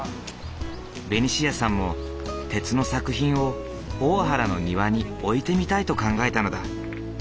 ベニシアさんも鉄の作品を大原の庭に置いてみたいと考えたのだ。